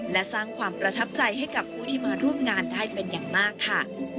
และสร้างความประทับใจให้กับผู้ที่มาร่วมงานได้เป็นอย่างมากค่ะ